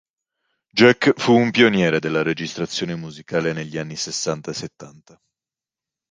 Jack fu un pioniere della registrazione musicale negli anni sessanta e settanta.